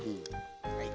はい。